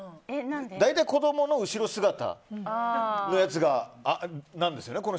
大体子供の後ろ姿のやつなんですよね